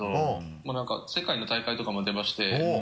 もう何か世界の大会とかも出まして。